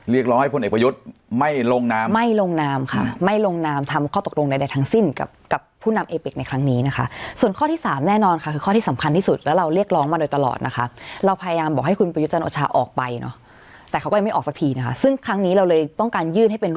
ร้องให้พลเอกประยุทธ์ไม่ลงนามไม่ลงนามค่ะไม่ลงนามทำข้อตกลงใดทั้งสิ้นกับกับผู้นำเอปิกในครั้งนี้นะคะส่วนข้อที่สามแน่นอนค่ะคือข้อที่สำคัญที่สุดแล้วเราเรียกร้องมาโดยตลอดนะคะเราพยายามบอกให้คุณประยุทธ์จันทร์โอชาออกไปเนอะแต่เขาก็ยังไม่ออกสักทีนะคะซึ่งครั้งนี้เราเลยต้องการยื่นให้เป็นร